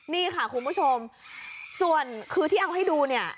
นี่ค่ะคุณผู้ชมส่วนคือที่เอาให้ดูเนี่ย